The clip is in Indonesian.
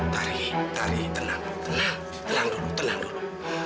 tari tari tenang tenang dulu tenang dulu